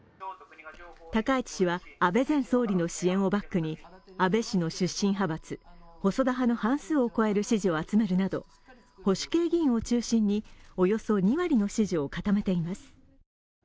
高市氏は安倍前総理の支援をバックに安倍氏の出身派閥、細田派の半数を超える支持を集めるなど保守系議員を中心におよそ２割の支持を固めています。